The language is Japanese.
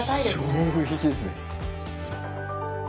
衝撃ですね。